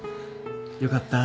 よかった。